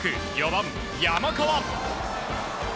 ４番、山川。